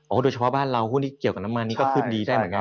โดยเฉพาะบ้านเราหุ้นที่เกี่ยวกับน้ำมันนี้ก็ขึ้นดีได้เหมือนกัน